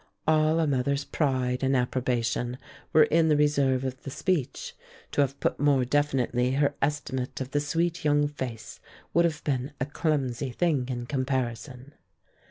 All a mother's pride and approbation, were in the reserve of the speech. To have put more definitely her estimate of the sweet young face would have been a clumsy thing in comparison.